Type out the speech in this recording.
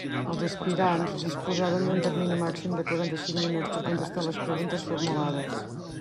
Els aspirants disposaran d'un termini màxim de quaranta-cinc minuts per contestar les preguntes formulades.